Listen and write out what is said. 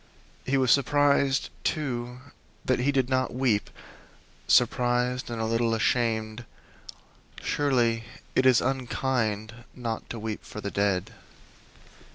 He was surprised, too, that he did not weep surprised and a little ashamed; surely it is unkind not to weep for the dead.